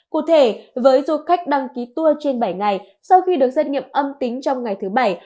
cụ thể với du khách đăng ký tour trên bảy ngày sau khi được xét nghiệm âm tính trong ngày thứ bảy